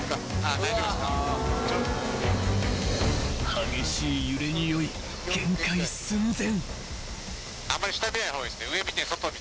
［激しい揺れに酔い限界寸前］